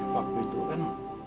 waktu itu kan